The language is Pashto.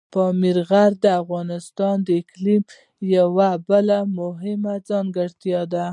پامیر د افغانستان د اقلیم یوه بله مهمه ځانګړتیا ده.